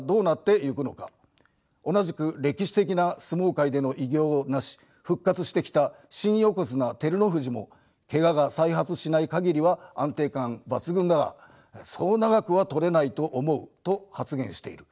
同じく歴史的な相撲界での偉業をなし復活してきた新横綱照ノ富士もケガが再発しない限りは安定感抜群だが「そう長くは取れないと思う」と発言している。